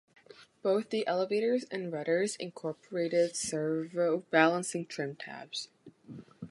Both the elevators and rudders incorporated servo-balancing trim tabs.